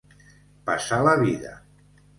Passar la vida.